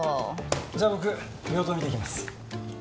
じゃあ僕病棟見てきます。